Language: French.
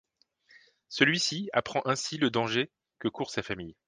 Celui-ci apprend ainsi le danger que courre sa famille.